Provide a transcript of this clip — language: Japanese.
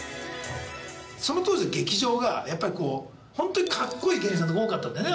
その当時の劇場がやっぱりこう本当にかっこいい芸人さんとかが多かったんだよね